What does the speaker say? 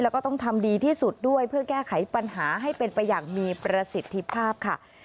แล้วก็ต้องทำดีที่สุดด้วยเพื่อแก้ไขปัญหาให้เป็นไปอย่างมีประสิทธิภาพค่ะ